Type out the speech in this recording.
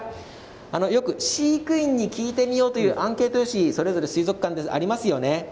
よく飼育員に聞いてみようというアンケート用紙それぞれ水族館にありますよね。